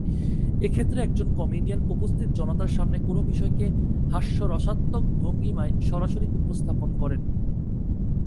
এক্ষেত্রে একজন কমেডিয়ান উপস্থিত জনতার সামনে কোন বিষয়কে হাস্যরসাত্মক ভঙ্গিমায় সরাসরি উপস্থাপন করেন।